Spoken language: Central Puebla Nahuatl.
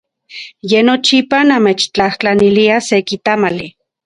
Ye nochipa namechtlajtlanilia seki tamali.